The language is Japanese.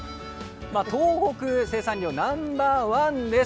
東北、生産量ナンバーワンです。